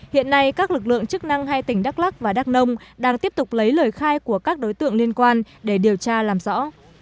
hiện nay các lực lượng chức năng hai tỉnh đắk lắc và đắk nông đang tiếp tục lấy lời khai của các đối tượng liên quan để điều tra làm rõ